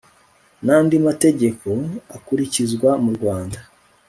n andi mategeko akurikizwa mu Rwanda